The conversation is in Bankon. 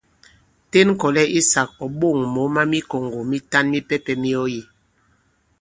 Ten ŋ̀kɔ̀lɛ insāk, ɔ̀ ɓôŋ mǒ ma mikɔ̀ŋgɔ̀ mitan mipɛpɛ̄ mi ɔ yī.